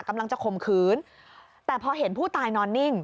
กำลังจะคมคืนแต่พอเห็นผู้ตายนอนนิ่ง